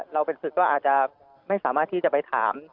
เราเป็นศึกก็อาจจะไม่สามารถที่จะไปถาม